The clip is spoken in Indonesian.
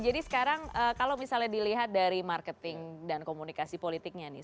jadi sekarang kalau misalnya dilihat dari marketing dan komunikasi politiknya nih